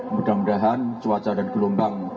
mudah mudahan cuaca dan gelombang